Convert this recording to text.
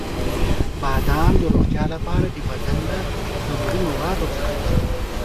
• بادام د روغتیا لپاره د بدن له ضروري موادو څخه دی.